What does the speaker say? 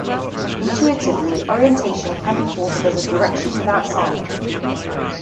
Intuitively, orientation can be thought of as a direction without sign.